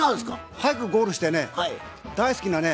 早くゴールしてね大好きなね